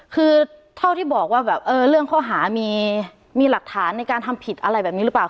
คือเท่าที่บอกว่าแบบเรื่องข้อหามีหลักฐานในการทำผิดอะไรแบบนี้หรือเปล่า